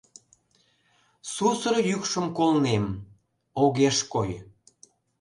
Сусыр йӱкшым колнем — огеш кой.